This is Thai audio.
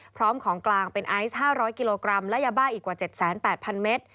พร้อมของกลางเป็นไอซ์๕๐๐กิโลกรัมและยาบ้าอีกกว่า๗๘๐๐เมตร